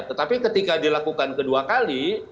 tetapi ketika dilakukan kedua kali